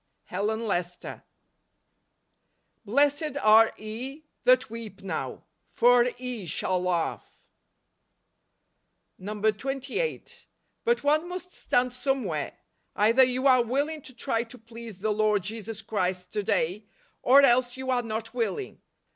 Helen Lester. " Blessed are ye that weep now : for ye shall laugh" 28. "But one must stand somewhere. Either you are willing to try to please the Lord Jesus Christ to day, or else you are not willing.